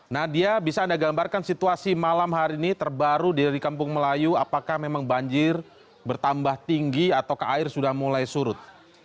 nadia bisa anda gambarkan situasi malam hari ini terbaru dari kampung melayu apakah memang banjir bertambah tinggi atau air sudah mulai surut